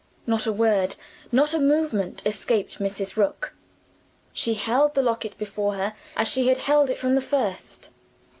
Not a word, not a movement, escaped Mrs. Rook. She held the locket before her as she had held it from the first.